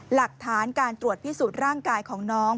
หลักฐานการตรวจพิสูจน์ร่างกายของน้อง